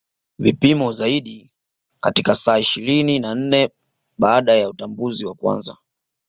Vipimo zaidi katika saa ishirini na nne baada ya utambuzi wa kwanza